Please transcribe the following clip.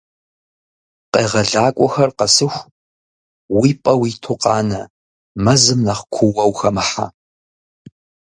Къегъэлакӏуэхэр къэсыху, уи пӏэ уиту къанэ, мэзым нэхъ куууэ ухэмыхьэ.